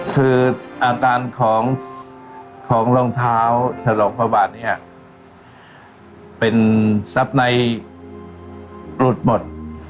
คืออาการของรองเท้าฉลองพระบาทเนี่ยเป็นทรัพย์ในหลุดหมด